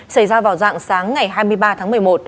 xảy ra vào dạng sáng ngày hai mươi ba tháng một mươi một